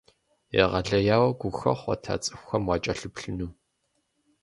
Егъэлеяуэ гухэхъуэт а цӏыкӏухэм уакӏэлъыплъыну!